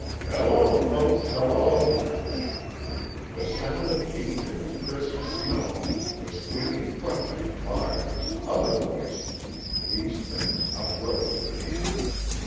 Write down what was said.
"Hello, folks, hello!" The sound of feet in the crisp snow, the squeaking crunch of toboggans, other voices; these things uprose at hand.